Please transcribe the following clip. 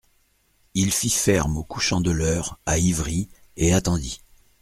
Il fit ferme au couchant de l'Eure, à Ivry, et attendit.